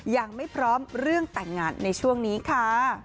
ยังไม่พร้อมเรื่องแต่งงานในช่วงนี้ค่ะ